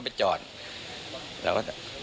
พี่สมหมายก็เลย